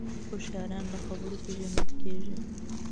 هوښیاران له خبرو پېژندل کېږي